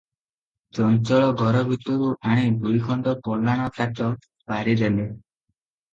ଚଞ୍ଚଳ ଘର ଭିତରୁ ଆଣି ଦୁଇଖଣ୍ଡ ପଲାଣ ତାଟ ପାରିଦେଲେ ।